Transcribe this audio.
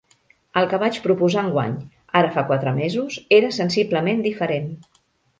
El que vaig proposar enguany, ara fa quatre mesos, era sensiblement diferent.